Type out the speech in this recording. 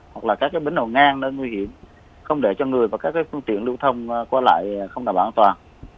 hoặc là các bến đầu ngang nơi nguy hiểm không để cho người và các phương tiện lưu thông qua lại không đảm bảo an toàn